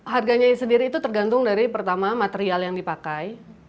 harganya sendiri itu tergantung dari pertama material yang dipakai